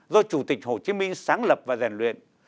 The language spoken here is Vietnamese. do chủ tịch hồ chí minh sáng lập và rèn luyện